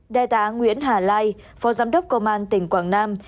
đại tá nguyễn hà lai phó giám đốc công an tỉnh quảng nam